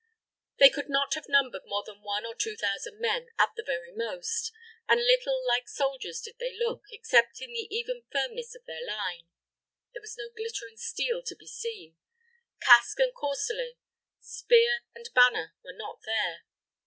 They could not have numbered more than one or two thousand men at the very most, and little like soldiers did they look, except in the even firmness of their line. There was no glittering steel to be seen. Casque and corselet, spear and banner were not there.